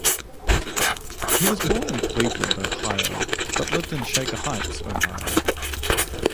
He was born in Cleveland, Ohio, but lived in Shaker Heights, Ohio.